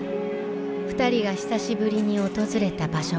２人が久しぶりに訪れた場所があります。